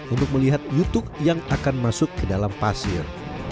untuk melihat youtube yang akan masuk ke dalam pasir